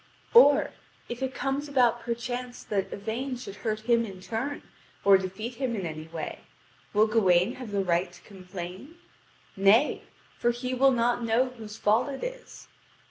Or, if it comes about perchance that Yvain should hurt him in turn, or defeat him in any way, will Gawain have the right to complain? Nay, for he will not know whose fault it is.